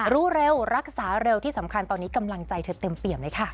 รู้เร็วรักษาเร็วที่สำคัญตอนนี้กำลังใจเธอเต็มเปี่ยมเลยค่ะ